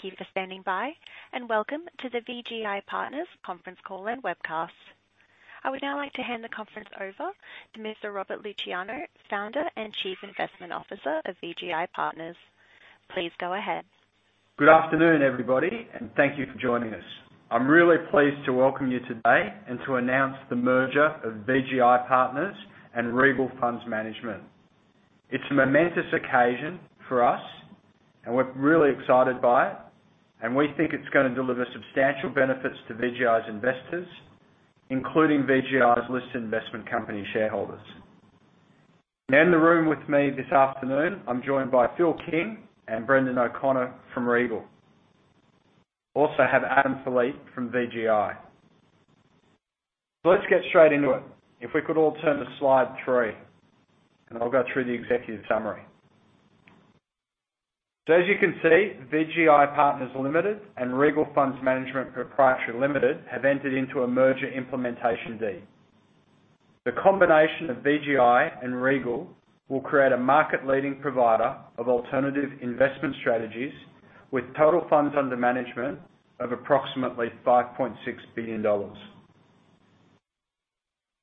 Thank you for standing by, and welcome to the VGI Partners conference call and webcast. I would now like to hand the conference over to Mr. Robert Luciano, Founder and Chief Investment Officer of VGI Partners. Please go ahead. Good afternoon, everybody, and thank you for joining us. I'm really pleased to welcome you today and to announce the merger of VGI Partners and Regal Funds Management. It's a momentous occasion for us, and we're really excited by it. We think it's gonna deliver substantial benefits to VGI's investors, including VGI's listed investment company shareholders. Now, in the room with me this afternoon, I'm joined by Phil King and Brendan O'Connor from Regal. Also have Adam Philippe from VGI. Let's get straight into it. If we could all turn to slide three, and I'll go through the executive summary. As you can see, VGI Partners Limited and Regal Funds Management Pty Limited have entered into a merger implementation deed. The combination of VGI and Regal will create a market-leading provider of alternative investment strategies with total funds under management of approximately 5.6 billion dollars.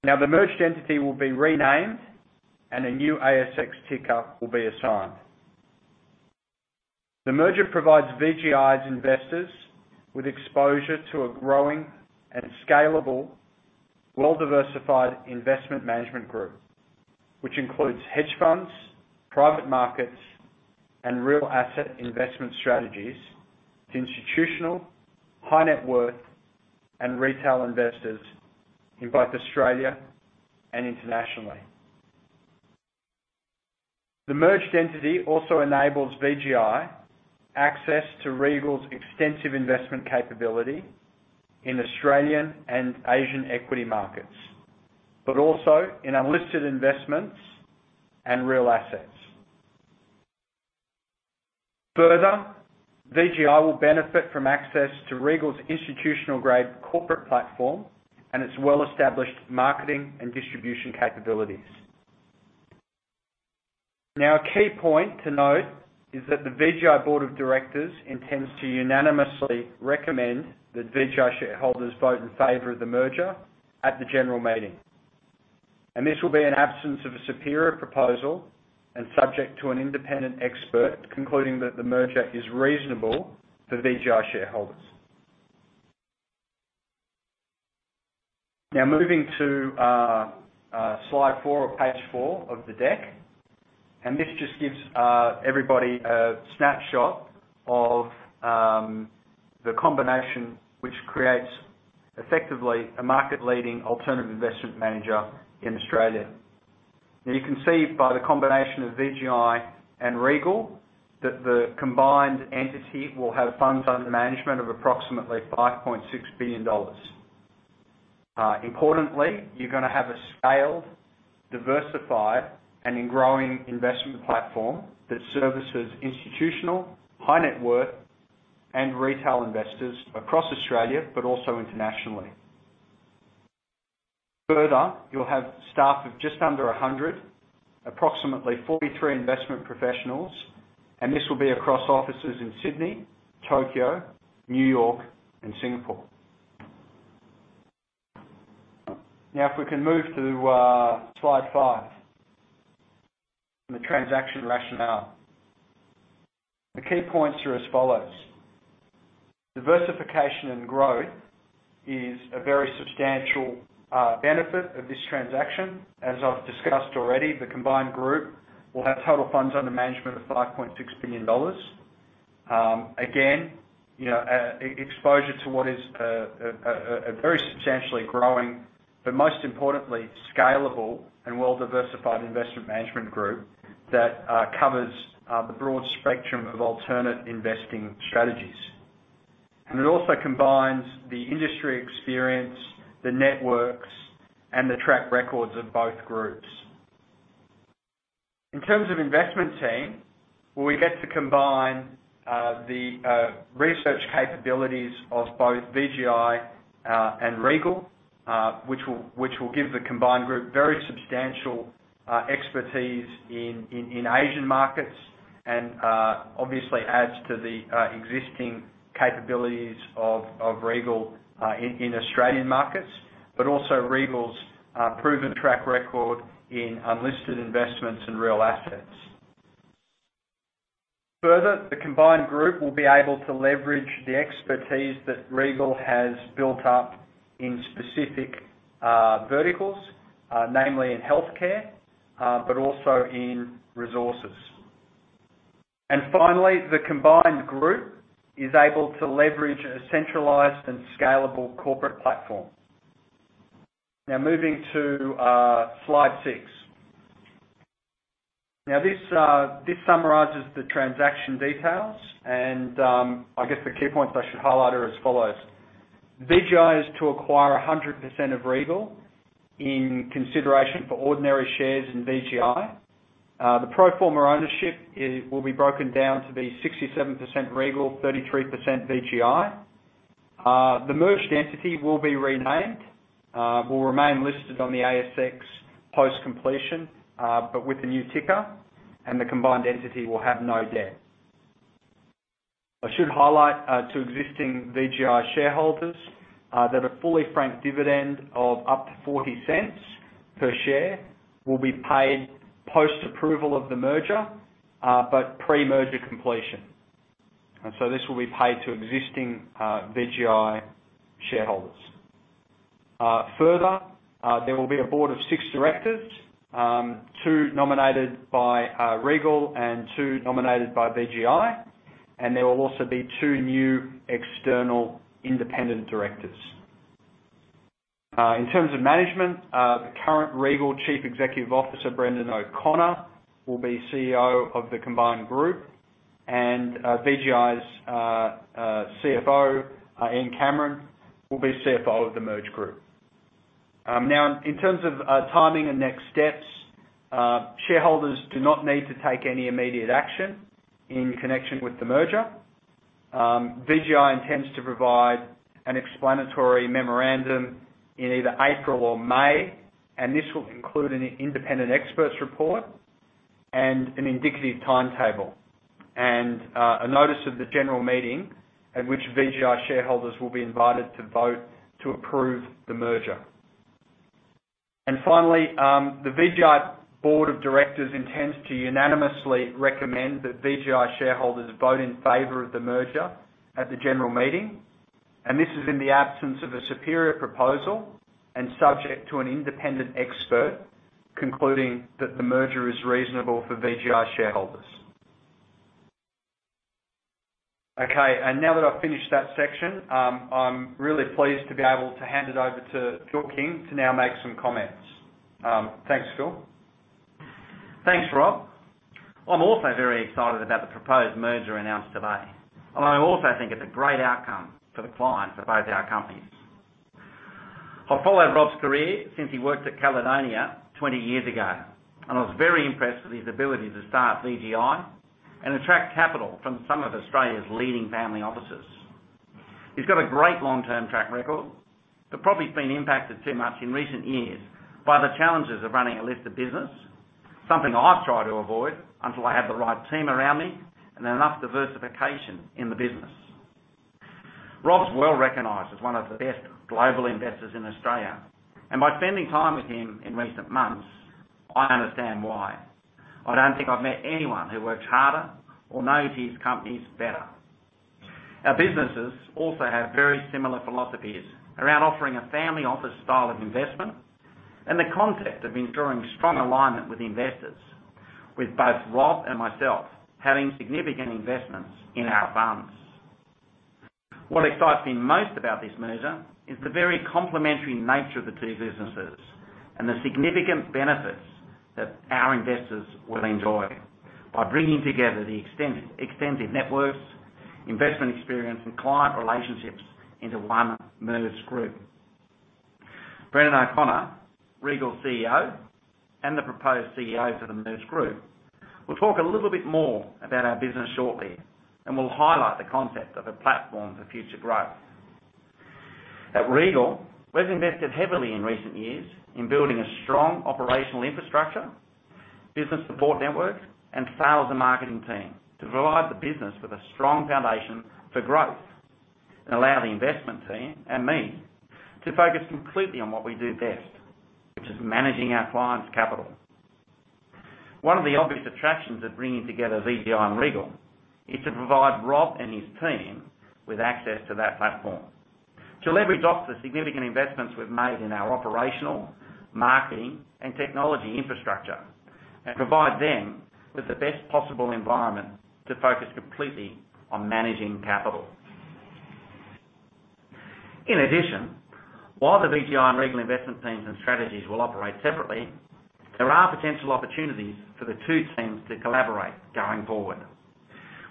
Now, the merged entity will be renamed, and a new ASX ticker will be assigned. The merger provides VGI's investors with exposure to a growing and scalable, well-diversified investment management group, which includes hedge funds, private markets, and real asset investment strategies to institutional, high net worth, and retail investors in both Australia and internationally. The merged entity also enables VGI access to Regal's extensive investment capability in Australian and Asian equity markets, but also in unlisted investments and real assets. Further, VGI will benefit from access to Regal's institutional-grade corporate platform and its well-established marketing and distribution capabilities. Now, a key point to note is that the VGI board of directors intends to unanimously recommend that VGI shareholders vote in favor of the merger at the general meeting and his will be in absence of a superior proposal and subject to an independent expert concluding that the merger is reasonable for VGI shareholders. Now moving to slide four or page four of the deck. This just gives everybody a snapshot of the combination which creates effectively a market-leading alternative investment manager in Australia. Now, you can see by the combination of VGI and Regal that the combined entity will have funds under management of approximately 5.6 billion dollars. Importantly, you're gonna have a scaled, diversified, and a growing investment platform that services institutional, high net worth, and retail investors across Australia, but also internationally. Further, you'll have staff of just under 100, approximately 43 investment professionals, and this will be across offices in Sydney, Tokyo, New York, and Singapore. Now, if we can move to slide five, the transaction rationale. The key points are as follows. Diversification and growth is a very substantial benefit of this transaction. As I've discussed already, the combined group will have total funds under management of 5.6 billion dollars. Again, you know, exposure to what is a very substantially growing, but most importantly, scalable and well-diversified investment management group that covers the broad spectrum of alternative investing strategies. It also combines the industry experience, the networks, and the track records of both groups. In terms of investment team, we get to combine the research capabilities of both VGI and Regal, which will give the combined group very substantial expertise in Asian markets and obviously adds to the existing capabilities of Regal in Australian markets, but also Regal's proven track record in unlisted investments and real assets. Further, the combined group will be able to leverage the expertise that Regal has built up in specific verticals, namely in healthcare, but also in resources. Finally, the combined group is able to leverage a centralized and scalable corporate platform. Now moving to slide six. Now, this summarizes the transaction details, and I guess the key points I should highlight are as follows: VGI is to acquire 100% of Regal in consideration for ordinary shares in VGI. The pro forma ownership, it will be broken down to be 67% Regal, 33% VGI. The merged entity will be renamed, will remain listed on the ASX post-completion, but with a new ticker, and the combined entity will have no debt. I should highlight to existing VGI shareholders that a fully franked dividend of up to 0.40 per share will be paid post-approval of the merger, but pre-merger completion. This will be paid to existing VGI shareholders. Further, there will be a board of six directors, two nominated by Regal and two nominated by VGI, and there will also be two new external independent directors. In terms of management, the current Regal Chief Executive Officer, Brendan O'Connor, will be CEO of the combined group, and VGI's CFO, Ian Cameron, will be CFO of the merged group. Now in terms of timing and next steps, shareholders do not need to take any immediate action in connection with the merger. VGI intends to provide an explanatory memorandum in either April or May, and this will include an independent expert's report and an indicative timetable and a notice of the general meeting at which VGI shareholders will be invited to vote to approve the merger. Finally, the VGI board of directors intends to unanimously recommend that VGI shareholders vote in favor of the merger at the general meeting, and this is in the absence of a superior proposal and subject to an independent expert concluding that the merger is reasonable for VGI shareholders. Okay, now that I've finished that section, I'm really pleased to be able to hand it over to Phil King to now make some comments. Thanks, Phil. Thanks, Rob. I'm also very excited about the proposed merger announced today, and I also think it's a great outcome for the clients of both our companies. I've followed Rob's career since he worked at Caledonia 20 years ago, and I was very impressed with his ability to start VGI and attract capital from some of Australia's leading family offices. He's got a great long-term track record that probably has been impacted too much in recent years by the challenges of running a listed business, something I've tried to avoid until I have the right team around me and enough diversification in the business. Rob's well-recognized as one of the best global investors in Australia, and by spending time with him in recent months, I understand why. I don't think I've met anyone who works harder or knows his companies better. Our businesses also have very similar philosophies around offering a family office style of investment and the concept of ensuring strong alignment with investors with both Rob and myself having significant investments in our firms. What excites me most about this merger is the very complementary nature of the two businesses and the significant benefits that our investors will enjoy by bringing together the extensive networks, investment experience, and client relationships into one merged group. Brendan O'Connor, Regal CEO, and the proposed CEO for the merged group, will talk a little bit more about our business shortly, and we'll highlight the concept of a platform for future growth. At Regal, we've invested heavily in recent years in building a strong operational infrastructure, business support network, and sales and marketing team to provide the business with a strong foundation for growth and allow the investment team and me to focus completely on what we do best, which is managing our clients' capital. One of the obvious attractions of bringing together VGI and Regal is to provide Rob and his team with access to that platform, to leverage off the significant investments we've made in our operational, marketing, and technology infrastructure and provide them with the best possible environment to focus completely on managing capital. In addition, while the VGI and Regal investment teams and strategies will operate separately, there are potential opportunities for the two teams to collaborate going forward.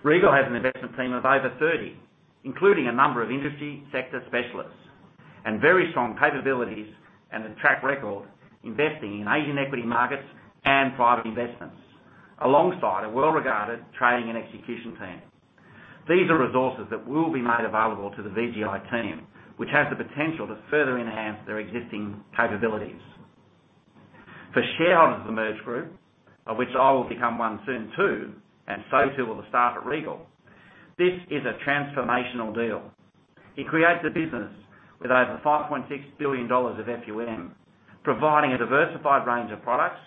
Regal has an investment team of over 30, including a number of industry sector specialists and very strong capabilities and a track record investing in Asian equity markets and private investments alongside a well-regarded trading and execution team. These are resources that will be made available to the VGI team, which has the potential to further enhance their existing capabilities. For shareholders of the merged group, of which I will become one soon too, and so too will the staff at Regal, this is a transformational deal. It creates a business with over 5.6 billion dollars of AUM, providing a diversified range of products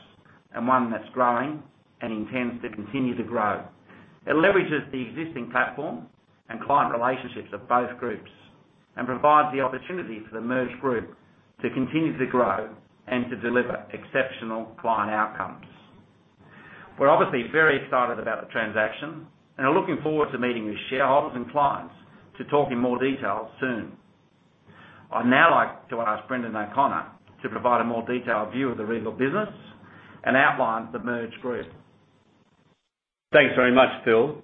and one that's growing and intends to continue to grow. It leverages the existing platform and client relationships of both groups and provides the opportunity for the merged group to continue to grow and to deliver exceptional client outcomes. We're obviously very excited about the transaction and are looking forward to meeting with shareholders and clients to talk in more detail soon. I'd now like to ask Brendan O'Connor to provide a more detailed view of the Regal business and outline the merged group. Thanks very much, Phil.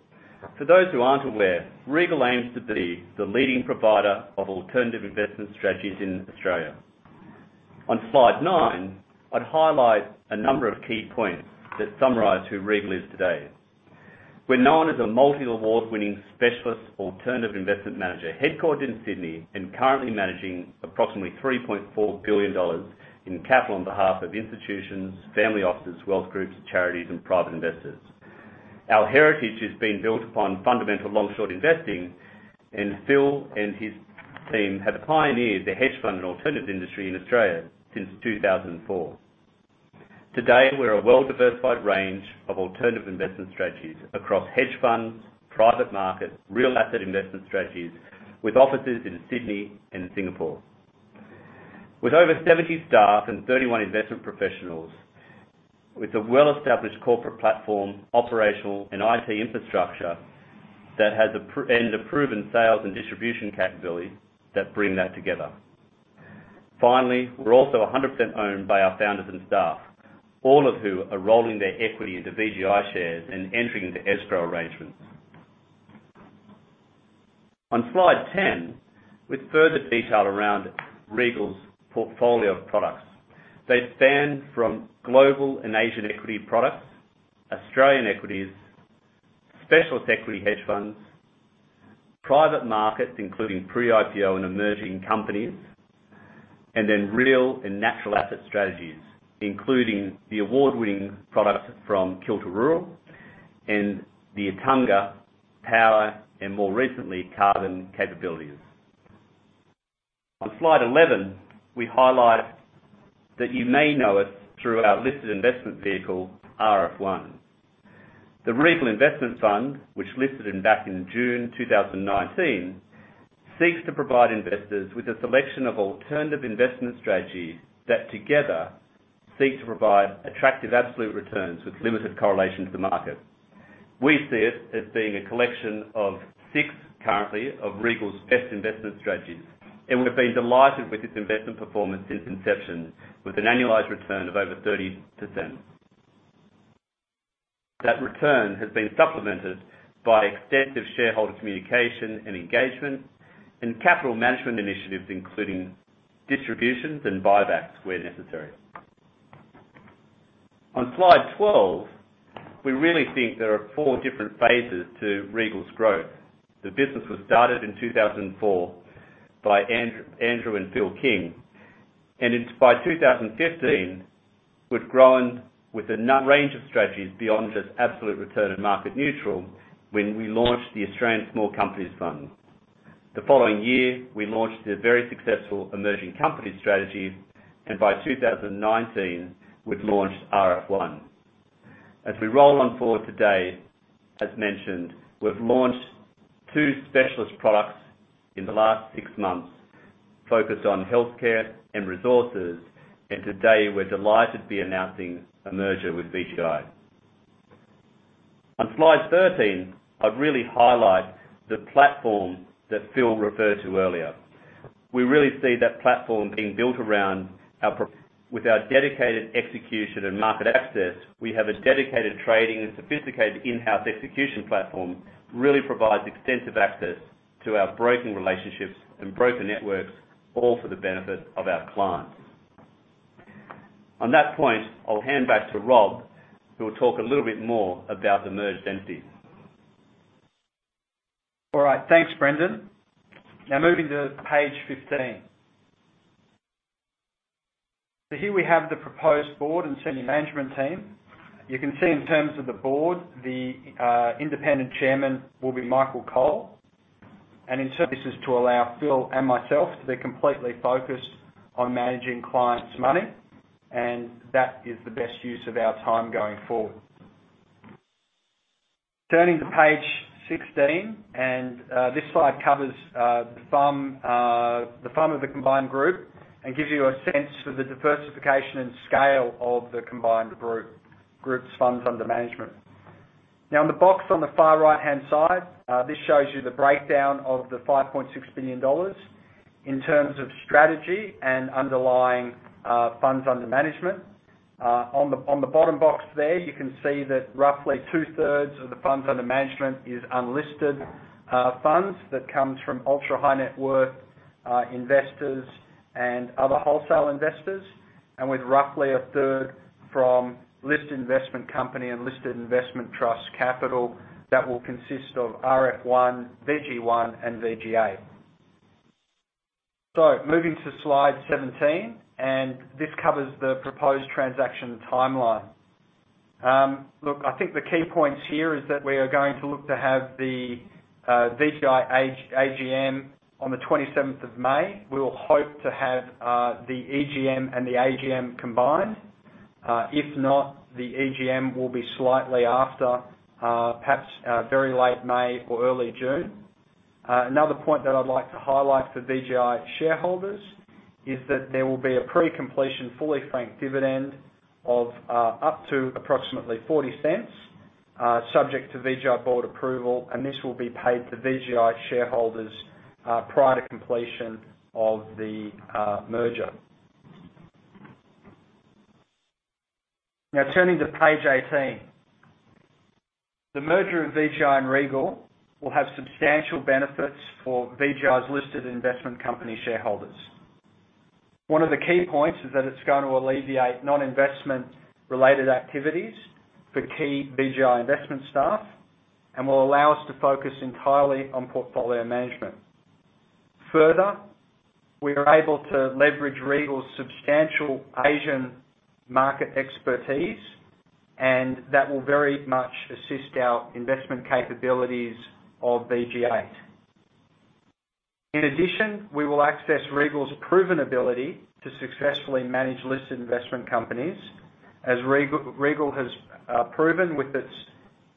For those who aren't aware, Regal aims to be the leading provider of alternative investment strategies in Australia. On slide nine, I'd highlight a number of key points that summarize who Regal is today. We're known as a multi-award-winning specialist alternative investment manager, headquartered in Sydney and currently managing approximately 3.4 billion dollars in capital on behalf of institutions, family offices, wealth groups, charities, and private investors. Our heritage has been built upon fundamental long-short investing, and Phil and his team have pioneered the hedge fund and alternative industry in Australia since 2004. Today, we're a well-diversified range of alternative investment strategies across hedge funds, private market, real asset investment strategies, with offices in Sydney and Singapore. With over 70 staff and 31 investment professionals, with a well-established corporate platform, operational and IT infrastructure that has a proven sales and distribution capability that bring that together. Finally, we're also 100% owned by our founders and staff, all of who are rolling their equity into VGI shares and entering into escrow arrangements. On slide 10, with further detail around Regal's portfolio of products, they span from global and Asian equity products, Australian equities, specialist equity hedge funds, private markets, including pre-IPO and emerging companies, and then real and natural asset strategies, including the award-winning products from Kilter Rural and the Attunga Power, and more recently, carbon capabilities. On slide 11, we highlight that you may know us through our listed investment vehicle, RF1. The Regal Investment Fund, which listed back in June 2019, seeks to provide investors with a selection of alternative investment strategies that together seek to provide attractive absolute returns with limited correlation to the market. We see it as being a collection of six, currently, of Regal's best investment strategies, and we've been delighted with its investment performance since inception, with an annualized return of over 30%. That return has been supplemented by extensive shareholder communication and engagement and capital management initiatives, including distributions and buybacks where necessary. On slide 12, we really think there are four different phases to Regal's growth. The business was started in 2004 by Andrew and Phil King, and by 2015, we'd grown with a range of strategies beyond just absolute return and market neutral when we launched the Australian Small Companies Fund. The following year, we launched the very successful Emerging Companies strategy, and by 2019, we'd launched RF1. As we roll on forward today, as mentioned, we've launched two specialist products in the last six months focused on healthcare and resources, and today we're delighted to be announcing a merger with VGI. On slide 13, I'd really highlight the platform that Phil referred to earlier. We really see that platform being built around our dedicated execution and market access. We have a dedicated trading and sophisticated in-house execution platform that really provides extensive access to our broking relationships and broker networks, all for the benefit of our clients. On that point, I'll hand back to Rob, who will talk a little bit more about the merged entity. All right. Thanks, Brendan. Now moving to page 15. Here we have the proposed board and senior management team. You can see in terms of the board, the Independent Chairman will be Michael Cole. This is to allow Phil and myself to be completely focused on managing clients' money, and that is the best use of our time going forward. Turning to page 16, this slide covers the FUM of the combined group and gives you a sense for the diversification and scale of the combined group's funds under management. Now, in the box on the far right-hand side, this shows you the breakdown of the 5.6 billion dollars in terms of strategy and underlying funds under management. On the bottom box there, you can see that roughly 2/3 of the funds under management is unlisted funds that comes from ultra-high net worth investors and other wholesale investors, and with roughly 1/3 from listed investment company and listed investment trust capital, that will consist of RF1, VG1, and VG8. Moving to slide 17, and this covers the proposed transaction timeline. Look, I think the key points here is that we are going to look to have the VGI AGM on the 27th of May. We'll hope to have the EGM and the AGM combined. If not, the EGM will be slightly after, perhaps, very late May or early June. Another point that I'd like to highlight for VGI shareholders is that there will be a pre-completion fully franked dividend of up to approximately 0.40, subject to VGI board approval, and this will be paid to VGI shareholders prior to completion of the merger. Now turning to page 18. The merger of VGI and Regal will have substantial benefits for VGI's listed investment company shareholders. One of the key points is that it's going to alleviate non-investment related activities for key VGI investment staff and will allow us to focus entirely on portfolio management. Further, we are able to leverage Regal's substantial Asian market expertise, and that will very much assist our investment capabilities of VG8. In addition, we will access Regal's proven ability to successfully manage listed investment companies, as Regal has proven with its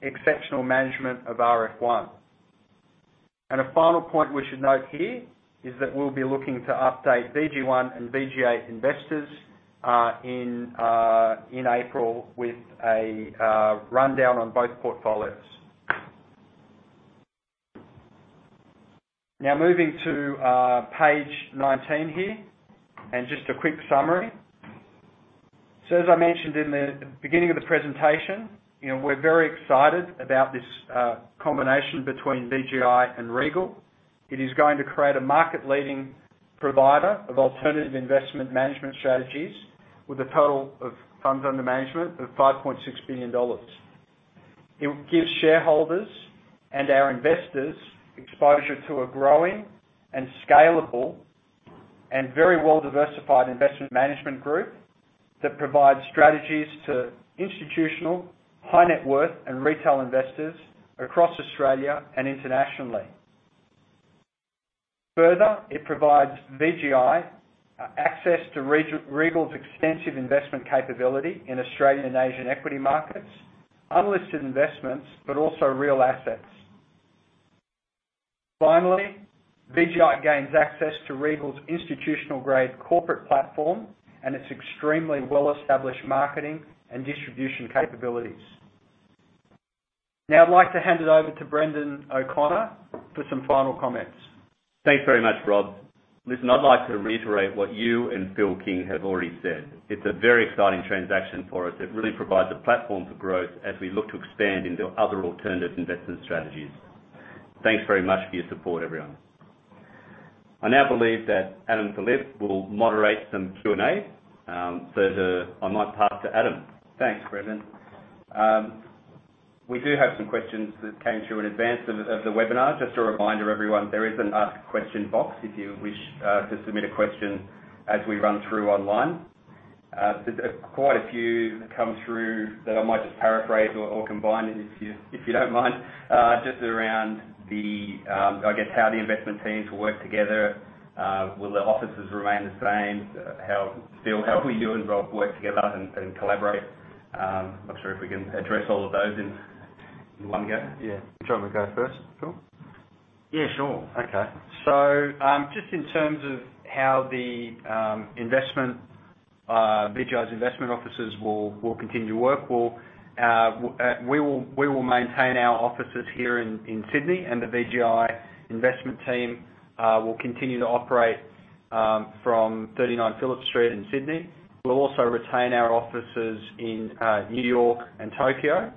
exceptional management of RF1. A final point we should note here is that we'll be looking to update VG1 and VG8 investors in April with a rundown on both portfolios. Now, moving to page 19 here, and just a quick summary. As I mentioned in the beginning of the presentation, you know, we're very excited about this combination between VGI and Regal. It is going to create a market leading provider of alternative investment management strategies with a total of funds under management of 5.6 billion dollars. It will give shareholders and our investors exposure to a growing and scalable and very well-diversified investment management group that provides strategies to institutional, high net worth, and retail investors across Australia and internationally. Further, it provides VGI access to Regal's extensive investment capability in Australian and Asian equity markets, unlisted investments, but also real assets. Finally, VGI gains access to Regal's institutional-grade corporate platform and its extremely well-established marketing and distribution capabilities. Now I'd like to hand it over to Brendan O'Connor for some final comments. Thanks very much, Rob. Listen, I'd like to reiterate what you and Phil King have already said. It's a very exciting transaction for us. It really provides a platform for growth as we look to expand into other alternative investment strategies. Thanks very much for your support, everyone. I now invite Adam Philippe to moderate some Q&A. I might pass to Adam. Thanks, Brendan. We do have some questions that came through in advance of the webinar. Just a reminder, everyone, there is an ask question box if you wish to submit a question as we run through online. There's quite a few come through that I might just paraphrase or combine if you don't mind. Just around the, I guess, how the investment teams will work together. Will the offices remain the same? How, Phil, will you and Rob work together and collaborate? Not sure if we can address all of those in one go. Yeah. Do you want me to go first, Phil? Yeah, sure. Just in terms of how the VGI's investment offices will continue to work, we will maintain our offices here in Sydney and the VGI investment team will continue to operate from 39 Phillip Street in Sydney. We'll also retain our offices in New York and Tokyo.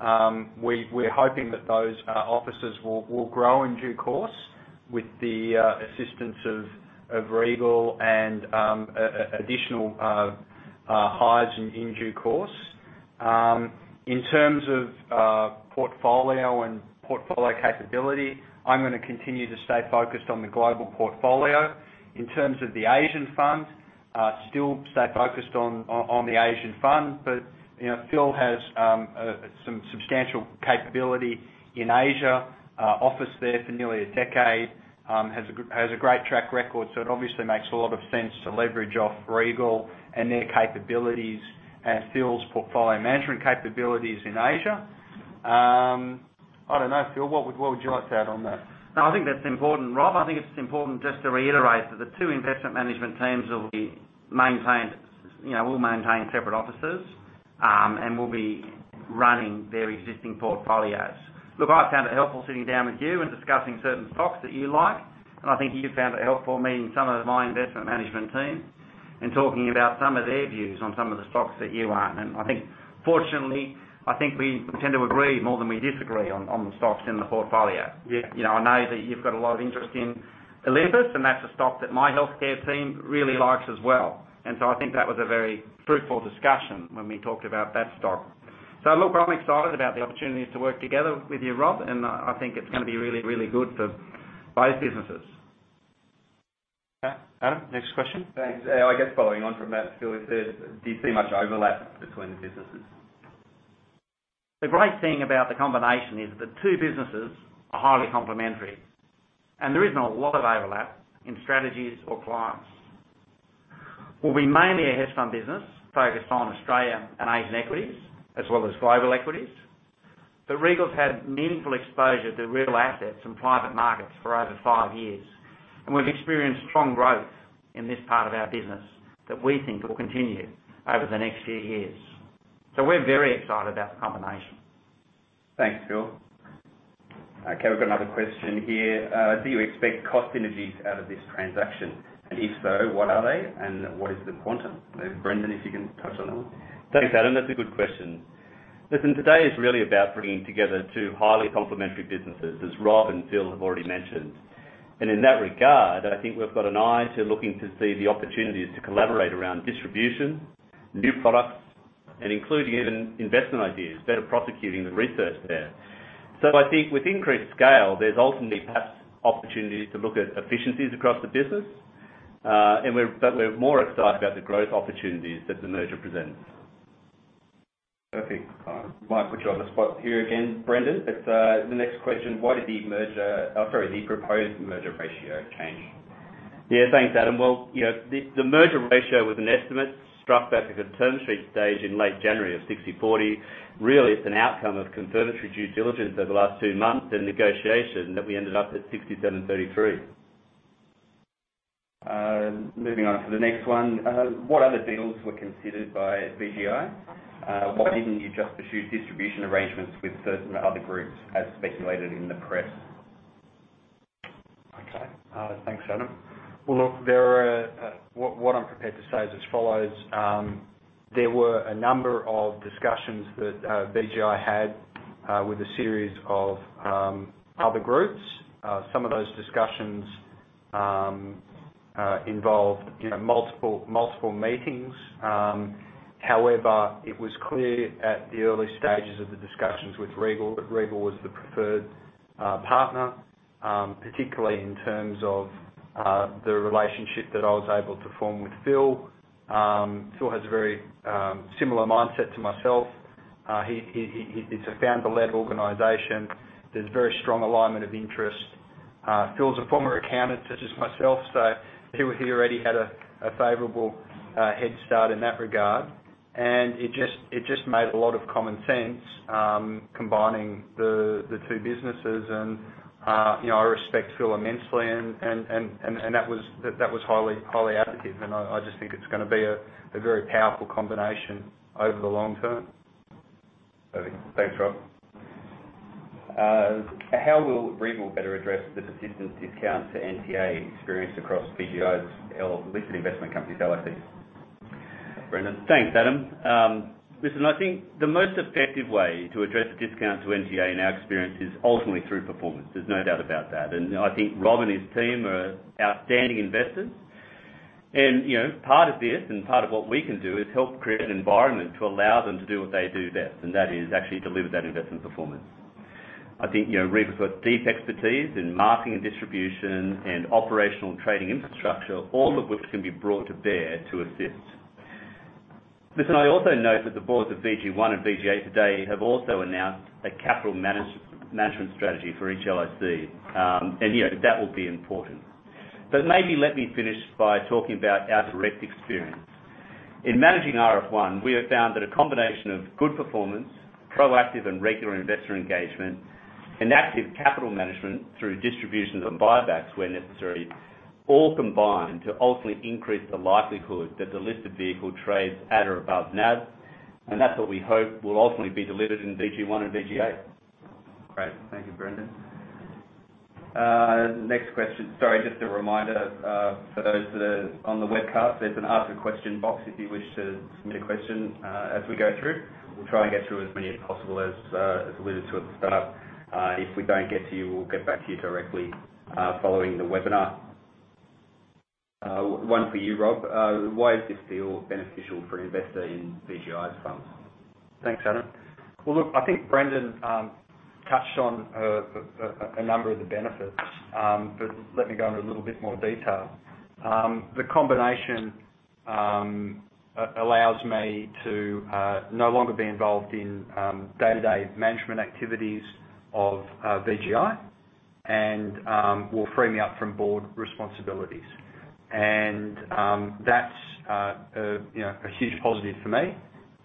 We're hoping that those offices will grow in due course with the assistance of Regal and additional hires in due course. In terms of portfolio capability, I'm gonna continue to stay focused on the global portfolio. In terms of the Asian fund, still stay focused on the Asian fund, but, you know, Phil has some substantial capability in Asia, office there for nearly a decade, has a great track record, so it obviously makes a lot of sense to leverage off Regal and their capabilities and Phil's portfolio management capabilities in Asia. I don't know, Phil, what would you like to add on that? No, I think that's important, Rob. I think it's important just to reiterate that the two investment management teams will be maintained. You know, we'll maintain separate offices, and we'll be running their existing portfolios. Look, I found it helpful sitting down with you and discussing certain stocks that you like, and I think you found it helpful meeting some of my investment management team and talking about some of their views on some of the stocks that you like. I think fortunately, I think we tend to agree more than we disagree on the stocks in the portfolio. Yeah. You know, I know that you've got a lot of interest in Olympus, and that's a stock that my healthcare team really likes as well. I think that was a very fruitful discussion when we talked about that stock. Look, I'm excited about the opportunities to work together with you, Rob, and I think it's gonna be really, really good for both businesses. Okay. Adam, next question. Thanks. Yeah, I guess following on from that, Phil, do you see much overlap between the businesses? The great thing about the combination is the two businesses are highly complementary, and there isn't a lot of overlap in strategies or clients. We'll be mainly a hedge fund business focused on Australian and Asian equities, as well as global equities. Regal's had meaningful exposure to real assets and private markets for over five years, and we've experienced strong growth in this part of our business that we think will continue over the next few years. We're very excited about the combination. Thanks, Phil. Okay, we've got another question here. Do you expect cost synergies out of this transaction? If so, what are they, and what is the quantum? Brendan, if you can touch on that one. Thanks, Adam. That's a good question. Listen, today is really about bringing together two highly complementary businesses, as Rob and Phil have already mentioned. In that regard, I think we've got an eye to looking to see the opportunities to collaborate around distribution, new products, and including even investment ideas, better prosecuting the research there. I think with increased scale, there's ultimately perhaps opportunities to look at efficiencies across the business, but we're more excited about the growth opportunities that the merger presents. Perfect. I might put you on the spot here again, Brendan. It's the next question, why did the proposed merger ratio change? Yeah, thanks, Adam. Well, you know, the merger ratio was an estimate struck at the term sheet stage in late January of 60/40. Really, it's an outcome of conservative due diligence over the last two months in negotiations that we ended up at 67/33. Moving on to the next one. What other deals were considered by VGI? Why didn't you just pursue distribution arrangements with certain other groups as speculated in the press? Okay. Thanks, Adam. Well, look, there, what I'm prepared to say is as follows. There were a number of discussions that VGI had with a series of other groups. Some of those discussions involved, you know, multiple meetings. However, it was clear at the early stages of the discussions with Regal that Regal was the preferred partner, particularly in terms of the relationship that I was able to form with Phil. Phil has a very similar mindset to myself. He, it's a founder-led organization. There's very strong alignment of interest. Phil's a former accountant, such as myself, so he already had a favorable head start in that regard. It just made a lot of common sense combining the two businesses. You know, I respect Phil immensely and that was highly additive, and I just think it's gonna be a very powerful combination over the long term. Perfect. Thanks, Rob. How will Regal better address the persistent discount to NTA experienced across VGI's listed investment companies, LIC? Brendan. Thanks, Adam. Listen, I think the most effective way to address the discount to NTA in our experience is ultimately through performance. There's no doubt about that. I think Rob and his team are outstanding investors. You know, part of this and part of what we can do is help create an environment to allow them to do what they do best, and that is actually deliver that investment performance. I think, you know, Regal's got deep expertise in marketing and distribution and operational and trading infrastructure, all of which can be brought to bear to assist. Listen, I also note that the boards of VG1 and VG8 today have also announced a capital management strategy for each LIC. You know, that will be important. Maybe let me finish by talking about our direct experience. In managing RF1, we have found that a combination of good performance, proactive and regular investor engagement, and active capital management through distributions and buybacks where necessary, all combine to ultimately increase the likelihood that the listed vehicle trades at or above NAV. That's what we hope will ultimately be delivered in RF1 and RG8. Great. Thank you, Brendan. Next question. Sorry, just a reminder, for those that are on the webcast, there's an ask a question box if you wish to submit a question, as we go through. We'll try and get through as many as possible, as alluded to at the start. If we don't get to you, we'll get back to you directly, following the webinar. One for you, Rob. Why is this deal beneficial for an investor in VGI's funds? Thanks, Adam. Well, look, I think Brendan touched on a number of the benefits, but let me go into a little bit more detail. The combination allows me to no longer be involved in day-to-day management activities of VGI and will free me up from board responsibilities. That's, you know, a huge positive for me.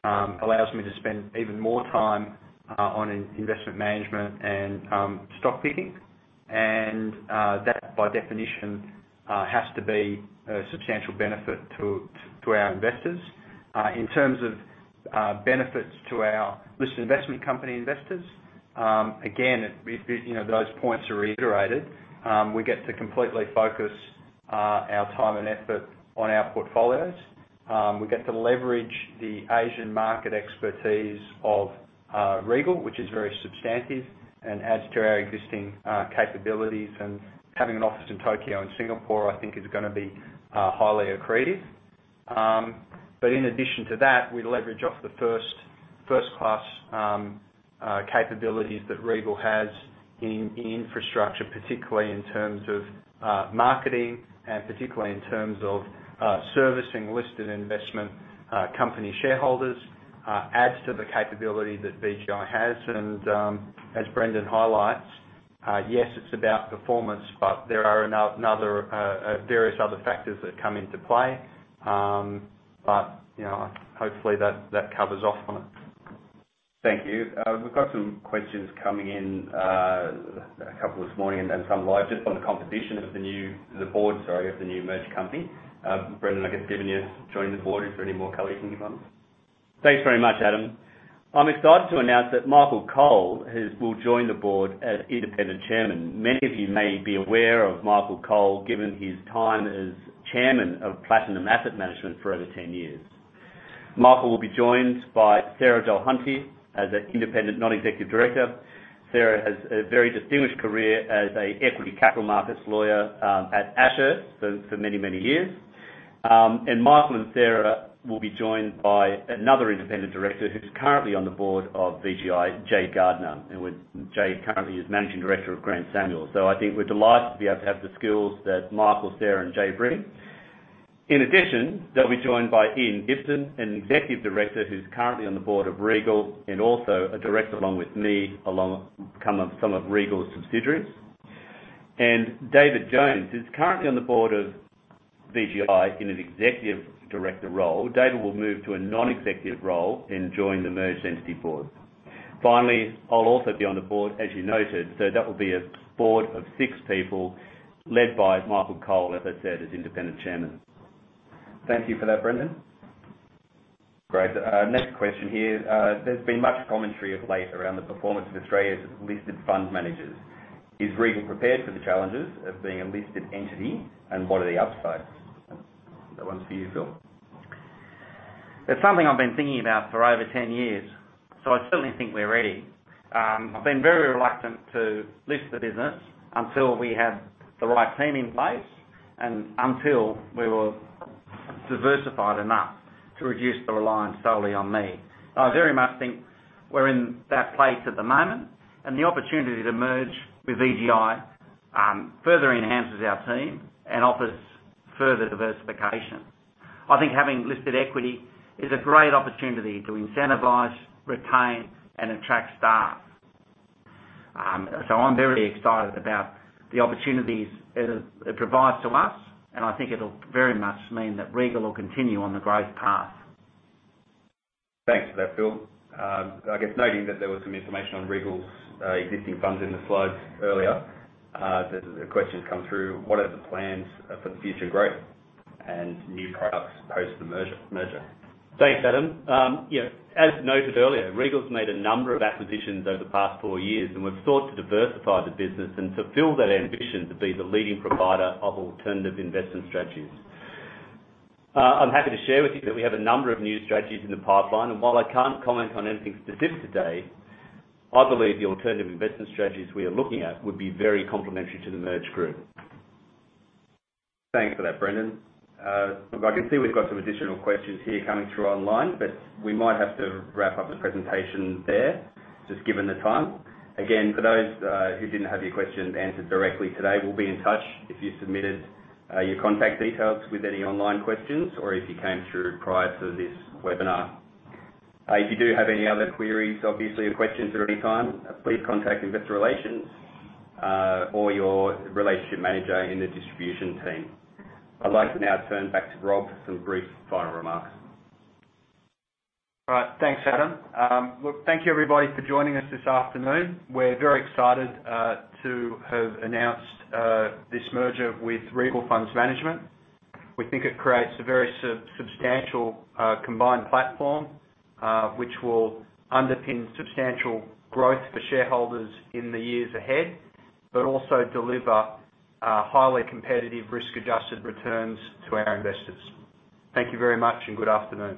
Allows me to spend even more time on investment management and stock picking. That by definition has to be a substantial benefit to our investors. In terms of benefits to our listed investment company investors, again, we, you know, those points are reiterated. We get to completely focus our time and effort on our portfolios. We get to leverage the Asian market expertise of Regal, which is very substantive and adds to our existing capabilities. Having an office in Tokyo and Singapore, I think is gonna be highly accretive. In addition to that, we leverage off the first-class capabilities that Regal has in infrastructure, particularly in terms of marketing and particularly in terms of servicing listed investment company shareholders adds to the capability that VGI has. As Brendan highlights, yes, it's about performance, but there are another various other factors that come into play. You know, hopefully that covers off on it. Thank you. We've got some questions coming in, a couple this morning and then some live just on the composition of the board of the new merged company. Brendan, I guess given you've joined the board, is there any more color you can give on it? Thanks very much, Adam. I'm excited to announce that Michael Cole will join the board as Independent Chairman. Many of you may be aware of Michael Cole, given his time as chairman of Platinum Asset Management for over 10 years. Michael will be joined by Sarah Dulhunty as an Independent Non-Executive Director. Sarah has a very distinguished career as an equity capital markets lawyer at Ashurst for many years. Michael and Sarah will be joined by another independent director who's currently on the board of VGI, Jay Gardiner. Jay currently is Managing Director of Grant Samuel. I think we're delighted to be able to have the skills that Michael, Sarah and Jay bring. In addition, they'll be joined by Ian Gibson, an executive director who's currently on the board of Regal and also a director along with me of some of Regal's subsidiaries. David Jones, who's currently on the board of VGI in an executive director role. David will move to a non-executive role and join the merged entity board. Finally, I'll also be on the board, as you noted, so that will be a board of six people led by Michael Cole, as I said, as Independent Chairman. Thank you for that, Brendan. Great. Next question here. There's been much commentary of late around the performance of Australia's listed fund managers. Is Regal prepared for the challenges of being a listed entity, and what are the upsides? That one's for you, Phil. That's something I've been thinking about for over 10 years, so I certainly think we're ready. I've been very reluctant to list the business until we have the right team in place and until we were diversified enough to reduce the reliance solely on me. I very much think we're in that place at the moment, and the opportunity to merge with VGI further enhances our team and offers further diversification. I think having listed equity is a great opportunity to incentivize, retain and attract staff. I'm very excited about the opportunities it provides to us, and I think it'll very much mean that Regal will continue on the growth path. Thanks for that, Phil. I guess noting that there was some information on Regal's existing funds in the slides earlier, the question's come through: What are the plans for the future growth and new products post the merger? Thanks, Adam. As noted earlier, Regal's made a number of acquisitions over the past four years, and we've sought to diversify the business and fulfill that ambition to be the leading provider of alternative investment strategies. I'm happy to share with you that we have a number of new strategies in the pipeline, and while I can't comment on anything specific today, I believe the alternative investment strategies we are looking at would be very complementary to the merged group. Thanks for that, Brendan. Look, I can see we've got some additional questions here coming through online, but we might have to wrap up the presentation there, just given the time. Again, for those who didn't have your question answered directly today, we'll be in touch if you submitted your contact details with any online questions or if you came through prior to this webinar. If you do have any other queries, obviously, or questions at any time, please contact investor relations or your relationship manager in the distribution team. I'd like to now turn back to Rob for some brief final remarks. All right. Thanks, Adam. Look, thank you everybody for joining us this afternoon. We're very excited to have announced this merger with Regal Funds Management. We think it creates a very substantial combined platform, which will underpin substantial growth for shareholders in the years ahead, but also deliver highly competitive risk-adjusted returns to our investors. Thank you very much and good afternoon.